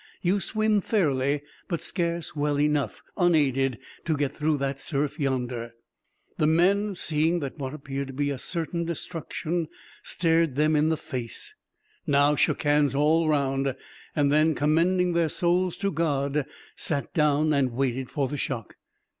You swim fairly, but scarce well enough, unaided, to get through that surf yonder." The men, seeing that what appeared to be certain destruction stared them in the face, now shook hands all round; and then, commending their souls to God, sat down and waited for the shock.